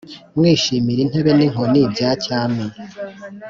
mwishimira intebe n’inkoni bya cyami,